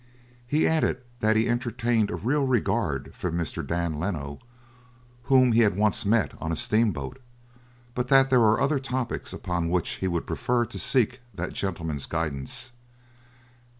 He added that he entertained a real regard for Mr. Dan Leno, whom he had once met on a steamboat, but that there were other topics upon which he would prefer to seek that gentleman's guidance.